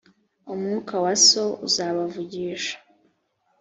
umwuka wa so uzabavugisha